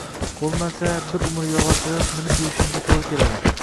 Boʻlmasa, bir umr yogʻochoyoq minib yurishingga toʻgʻri keladi.